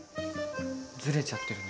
ずれちゃってるね。